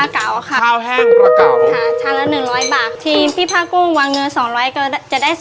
ข้าวแห้งปลาเก่า